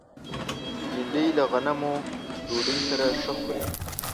بېنډۍ له غنمو ډوډۍ سره ښه خوري